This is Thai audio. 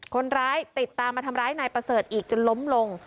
คนร้ายติดตามมาทำร้ายนายประเสริฐอีกจนล้มลง